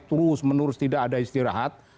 terus menerus tidak ada istirahat